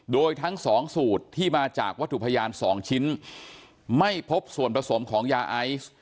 โดยทั้งสองสูตรที่มาจากวัตถุพยาน๒ชิ้นไม่พบส่วนผสมของยาไอซ์